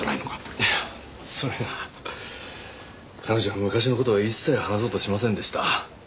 いやそれが彼女は昔のことは一切話そうとしませんでした